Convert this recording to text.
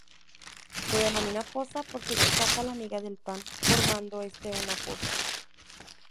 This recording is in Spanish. Se denomina poza porque se saca la miga del pan formando este una poza.